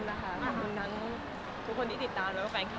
เราให้กำลังใจกันยังไงบ้างค่ะ